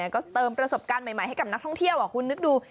ก็เติมประสบการณ์ใหม่ให้กับนักท่องเที่ยวคุณนึกดู